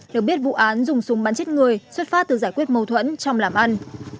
được biết vụ án dùng súng bắn chết người xuất phát từ giải quyết mâu thuẫn trong làm ăn